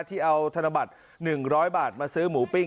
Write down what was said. ที่เอาธนบัตร๑๐๐บาทมาซื้อหมูปิ้ง